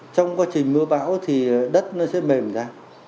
trong quá trình mưa bão thì đất nó sẽ mềm ra